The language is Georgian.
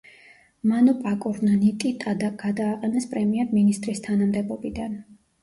მანოპაკორნ ნიტიტადა გადააყენეს პრემიერ-მინისტრის თანამდებობიდან.